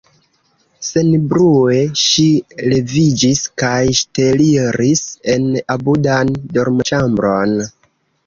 Senbrue ŝi leviĝis kaj ŝteliris en apudan dormoĉambron.